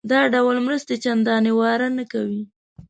دا ډول مرستې چندانې واره نه کوي.